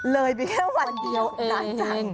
เลยไปแค่วันเดียวหลายจัง